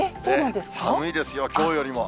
寒いですよ、きょうよりも。